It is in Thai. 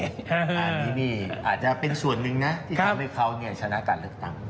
อันนี้นี่อาจจะเป็นส่วนหนึ่งนะที่ทำให้เขาชนะการเลือกตั้ง